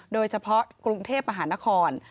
โดยเฉพาะกรุงเทพมหานคร